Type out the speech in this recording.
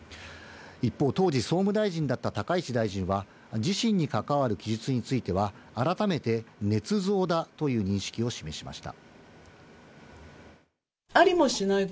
一方、当時、総務大臣だった高市大臣は自身に関わる記述については、改めて、ねつ造だという認識を示しました。